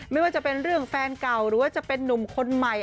ไม่ว่าจะเป็นเรื่องแฟนเก่าหรือว่าจะเป็นนุ่มคนใหม่